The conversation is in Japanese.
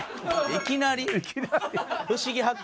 いきなり。